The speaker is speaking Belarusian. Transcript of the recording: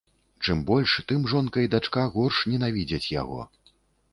Чым больш, тым жонка і дачка горш ненавідзяць яго.